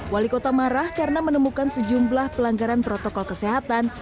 wali kota marah karena menemukan sejumlah pelanggaran protokol kesehatan